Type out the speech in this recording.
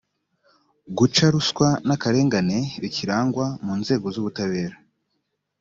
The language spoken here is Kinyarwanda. guca ruswa n akarengane bikirangwa mu nzego z ubutabera